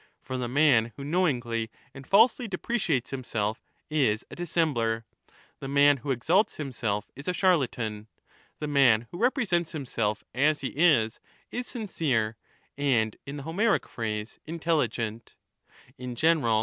For the man who knowingly and falsely depre 1234^ ciates himself is a dissembler ; the man who exalts himself is a charlatan ; the man who represents himself as he is, is sincere, and in the Homeric phrase ' intelligent '; in general 18 26 : cf.